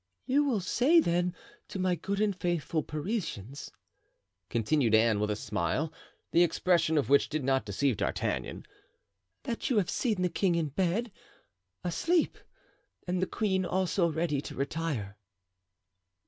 "You will say, then, to my good and faithful Parisians," continued Anne, with a smile, the expression of which did not deceive D'Artagnan, "that you have seen the king in bed, asleep, and the queen also ready to retire."